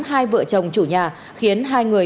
hai vợ chồng chủ nhà khiến hai người